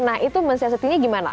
nah itu mencetaknya gimana